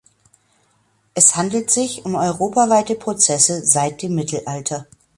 Es handelt sich um europaweite Prozesse seit dem Mittelalter.